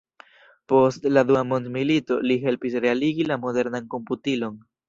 Post la dua mondmilito li helpis realigi la modernan komputilon.